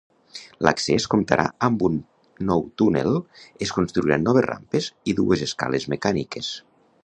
L'accés comptarà amb un nou túnel, es construiran noves rampes i dues escales mecàniques.